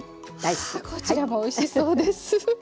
こちらもおいしそうです。